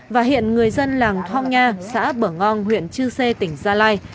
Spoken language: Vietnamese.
và hiện người dân làng thong nha xã bở ngon huyện chư sê tỉnh gia lai